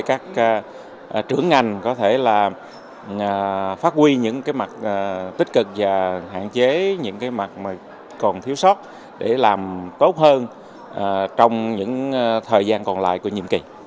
các trưởng ngành có thể là phát huy những mặt tích cực và hạn chế những cái mặt mà còn thiếu sót để làm tốt hơn trong những thời gian còn lại của nhiệm kỳ